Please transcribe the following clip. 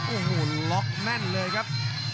โอ้โหล็อกแน่นเลยครับ